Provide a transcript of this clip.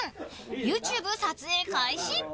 ＹｏｕＴｕｂｅ撮影開始。